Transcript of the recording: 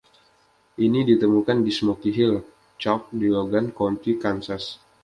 Ini ditemukan di Smoky Hill Chalk di Logan County, Kansas.